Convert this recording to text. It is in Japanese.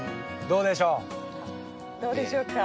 どうでしょうか。